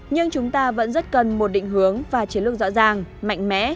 nhưng chúng ta vẫn rất cần một định hướng và chiến lược rõ ràng mạnh mẽ